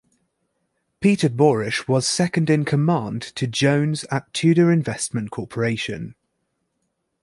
Peter Borish was second-in-command to Jones at Tudor Investment Corporation.